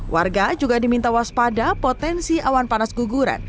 warga juga diminta waspada potensi awan panas guguran